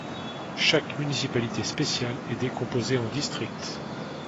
Chaque municipalité spéciale est décomposée en districts.